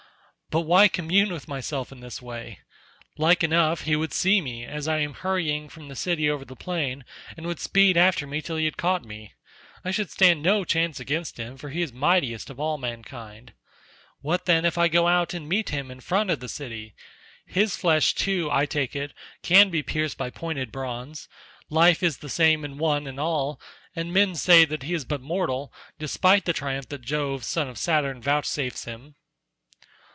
But why commune with myself in this way? Like enough he would see me as I am hurrying from the city over the plain, and would speed after me till he had caught me—I should stand no chance against him, for he is mightiest of all mankind. What, then, if I go out and meet him in front of the city? His flesh too, I take it, can be pierced by pointed bronze. Life is the same in one and all, and men say that he is but mortal despite the triumph that Jove son of Saturn vouchsafes him."